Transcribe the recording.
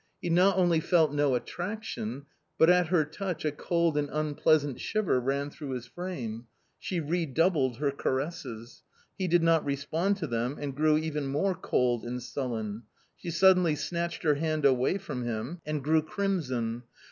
He not only felt no attraction, but at her touch a cold and unpleasant shiver ran through his frame. She redoubled her caresses. He did not respond to them, and grew even more cold and sullen. She suddenly snatched her hand away from him and grew crimson.